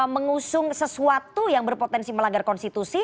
mengusung sesuatu yang berpotensi melanggar konstitusi